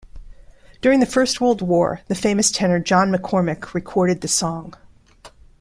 During the First World War the famous tenor John McCormack recorded the song.